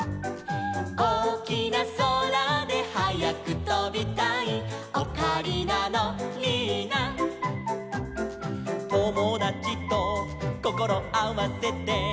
「おおきなそらではやくとびたい」「オカリナのリーナ」「ともだちとこころあわせて」